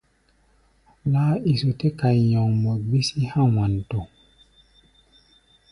Laáiso tɛ́ kai nyɔŋmɔ gbísí há̧ Wanto.